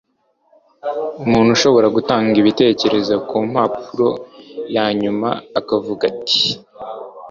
umuntu ushobora gutanga ibitekerezo kumpapuro hanyuma akavuga ati